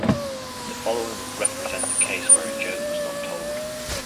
The following would represent the case where a joke was not told.